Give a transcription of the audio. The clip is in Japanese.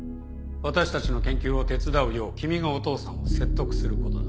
私たちの研究を手伝うよう君がお父さんを説得することだ。